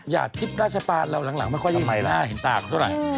อย่าทิบราชปาเราหลังไม่ค่อยเห็นหน้าเห็นตากเท่าไร